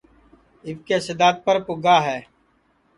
اِٻکے سِدادپر پُگا ہے